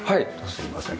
すいません。